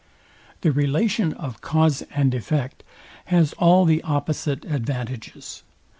The relation of cause and effect has all the opposite advantages.